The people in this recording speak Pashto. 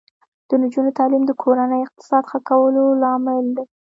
د نجونو تعلیم د کورنۍ اقتصاد ښه کولو لامل دی.